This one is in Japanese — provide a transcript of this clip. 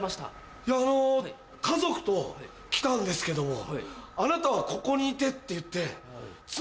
いやあの家族と来たんですけど「あなたはここにいて」って言って。